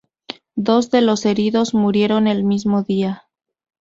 Dos de los heridos murieron el mismo día.